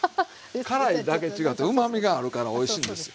辛いだけ違ってうまみがあるからおいしいんですよ。